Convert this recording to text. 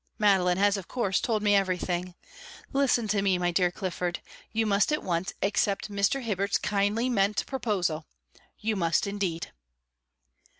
Madeline has, of course, told me everything. Listen to me, my dear Clifford; you must at once accept Mr. Hibbert's kindly meant proposal you must indeed."